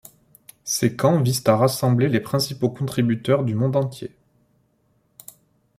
Ces camps visent à rassembler les principaux contributeurs du monde entier.